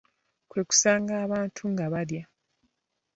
Kwe kusanga abantu nga balya.